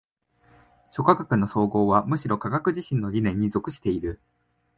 諸科学の綜合はむしろ科学自身の理念に属している。